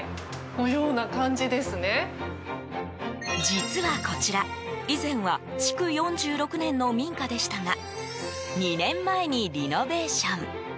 実はこちら以前は築４６年の民家でしたが２年前にリノベーション。